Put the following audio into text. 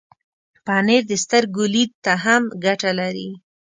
پنېر د سترګو لید ته هم ګټه لري.